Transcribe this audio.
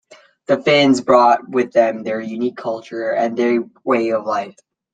The Finns brought with them their unique culture and their way of life.